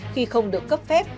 khi không được cấp phép